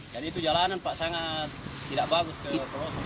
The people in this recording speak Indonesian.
jadi itu jalanan pak sangat tidak bagus keperosok